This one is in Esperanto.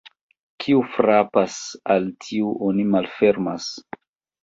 Kiu frapas, al tiu oni malfermas.